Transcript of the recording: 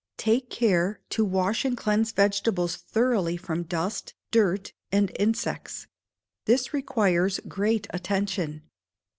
Take care to wash and cleanse Vegetables thoroughly from dust, dirt, and insects this requires great attention.